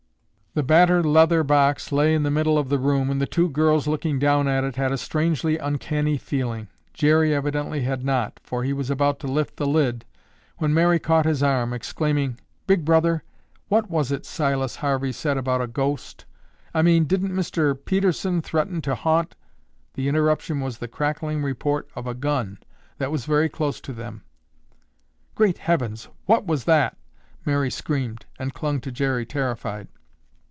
The battered leather box lay in the middle of the room and the two girls looking down at it had a strangely uncanny feeling. Jerry evidently had not, for he was about to lift the lid when Mary caught his arm, exclaiming, "Big Brother, what was it Silas Harvey said about a ghost? I mean, didn't Mr. Pedersen threaten to haunt——" The interruption was the crackling report of a gun that was very close to them. "Great heavens, what was that?" Mary screamed and clung to Jerry terrified.